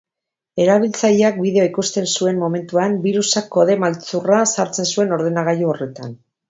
Erabiltzaileak bideoa ikusten zuen momentuan, birusak kode maltzurra sartzen zuen ordenagailu horretan.